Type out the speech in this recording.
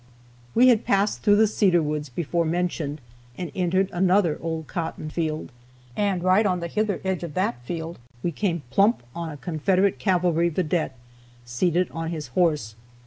We had passed through the cedar woods before mentioned, and entered another old cotton field. And right in the hither edge of that field we came plump on a Confederate cavalry vedette, seated on his horse.